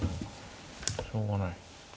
しょうがない。